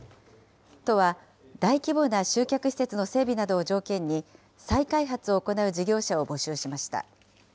都は大規模な集客施設の整備などを条件に、再開発を行う事業者を募集しました。